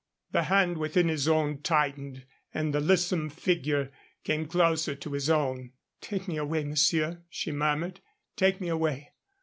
The hand within his own tightened and the lissome figure came closer to his own. "Take me away, monsieur," she murmured. "Take me away.